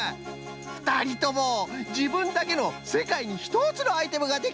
ふたりともじぶんだけのせかいにひとつのアイテムができた！